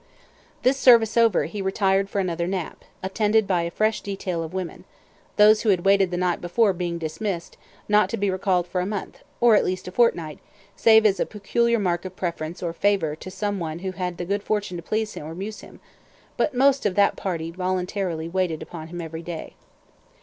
This service over, he retired for another nap, attended by a fresh detail of women, those who had waited the night before being dismissed, not to be recalled for a month, or at least a fortnight, save as a peculiar mark of preference or favor to some one who had had the good fortune to please or amuse him; but most of that party voluntarily waited upon him every day.